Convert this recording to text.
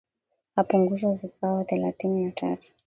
apunguzwa vikawa thelathini na tatu